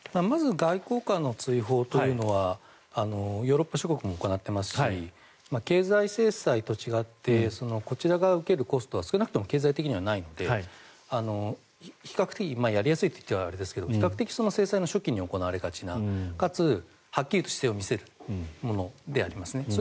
まず外交官の追放というのはヨーロッパ諸国も行っていますし経済制裁と違ってこちらが受けるコストは少なくとも経済的にはないので比較的やりやすいと言ってはあれですが比較的その制裁の初期に行われがちなかつ、はっきりと姿勢を見せるものですね。